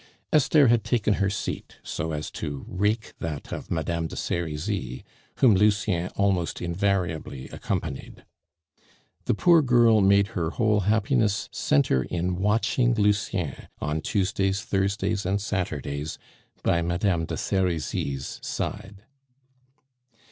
Esther had taken her seat, so as to "rake" that of Madame de Serizy, whom Lucien almost invariably accompanied. The poor girl made her whole happiness centre in watching Lucien on Tuesdays, Thursdays, and Saturdays by Madame de Serizy's side.